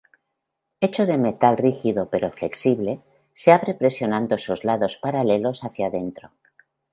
Hecho de metal rígido pero flexible, se abre presionando sus lados paralelos hacia adentro.